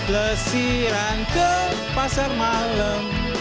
lesiran ke pasar malam